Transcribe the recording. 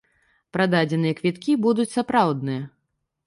Прададзеныя квіткі будуць сапраўдныя.